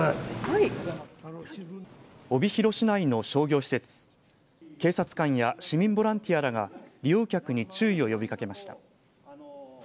帯広市内の商業施設警察官や市民ボランティアらが利用客に注意を呼びかけました。